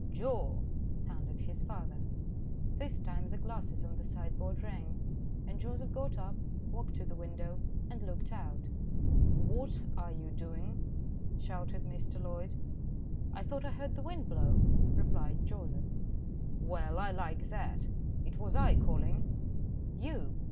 "Joe," thundered his father. This time the glasses on the sideboard rang, and Joseph got up, walked to the window and looked out. "What are you doing?" shouted Mr. Loyd. "I thought I heard the wind blow," replied Joseph. "Well! I like that; it was I calling." "You!"